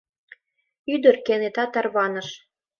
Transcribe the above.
Ӱдыр кенета тарваныш!